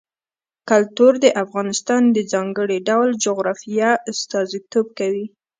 کلتور د افغانستان د ځانګړي ډول جغرافیه استازیتوب کوي.